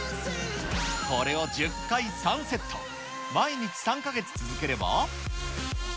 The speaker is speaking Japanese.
これを１０回３セット、毎日３か月続ければ。